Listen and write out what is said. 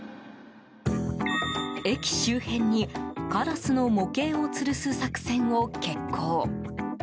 駅周辺に、カラスの模型をつるす作戦を決行。